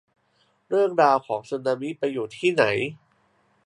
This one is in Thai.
เรื่องราวของสึนามิไปอยู่ที่ไหน